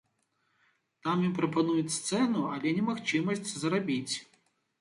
Там ім прапануюць сцэну, але не магчымасць зарабіць.